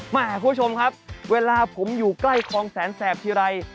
คุณผู้ชมครับเวลาผมอยู่ใกล้คลองแสนแสบทีไร